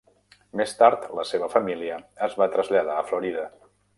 Més tard la seva família es va traslladar a Florida.